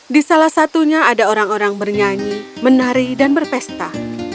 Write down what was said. di salah satunya ada orang orang bernyanyi menari dan berpesta